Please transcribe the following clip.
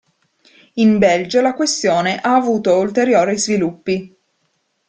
In Belgio la questione ha avuto ulteriori sviluppi.